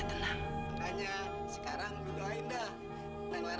dan baru saja sampaiélé